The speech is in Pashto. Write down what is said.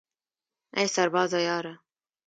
ای سربازه یاره